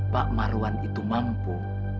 pak marwan itu mampu